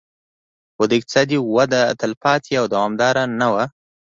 خو دا اقتصادي وده تلپاتې او دوامداره نه وه